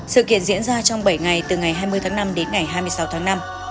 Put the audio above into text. sự kiện diễn ra trong bảy ngày từ ngày hai mươi tháng năm đến ngày hai mươi sáu tháng năm